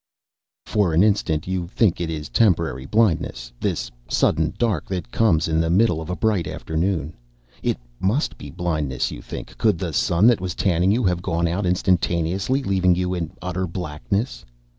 _ For an instant you think it is temporary blindness, this sudden dark that comes in the middle of a bright afternoon. It must be blindness, you think; could the sun that was tanning you have gone out instantaneously, leaving you in utter blackness?